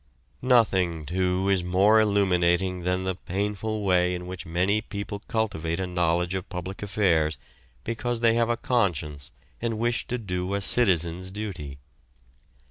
Nothing, too, is more illuminating than the painful way in which many people cultivate a knowledge of public affairs because they have a conscience and wish to do a citizen's duty.